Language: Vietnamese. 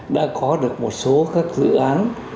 đã có được một số các dự án